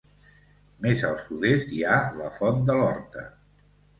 Més al sud-est hi ha la Font de l'Horta.